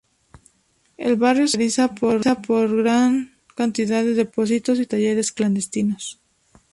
El barrio se caracteriza por una gran cantidad de depósitos y talleres clandestinos.